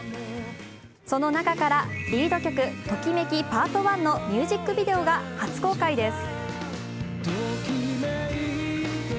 その中からリード曲「ときめきｐａｒｔ１」のミュージックビデオが初公開です。